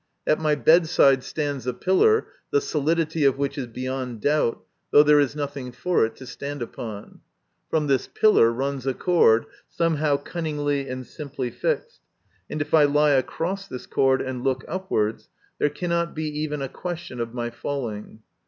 At my bedside stands a pillar, the solidity of which is beyond doubt, though there is nothing for it to stand upon. From this pillar runs a cord, somehow cunningly and simply fixed, and if I lie across this cord and look upwards, there cannot be even a question of my falling.